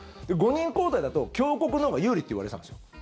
５人交代だと強国のほうが有利っていわれてたんですよ。